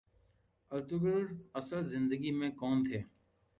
Ertugrul اصل زندگی میں کون تھے